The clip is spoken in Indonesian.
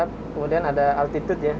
kemudian ada altitude ya